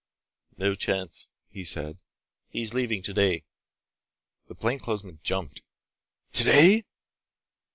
"No chance," he said, "he's leaving today." The plainclothesman jumped. "Today?"